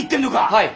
はい。